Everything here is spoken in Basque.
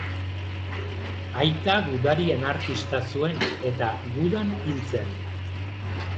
Aita gudari Anarkista zuen eta Gudan hil zen.